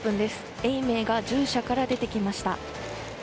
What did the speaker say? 永明が獣舎から出てきました。